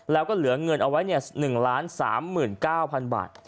แล้วก็เหลือเงินเอาไว้๑๓๙๐๐บาท